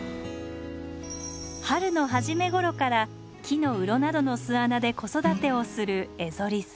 春の初め頃から木のうろなどの巣穴で子育てをするエゾリス。